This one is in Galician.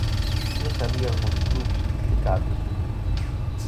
Que sabían os clubs implicados?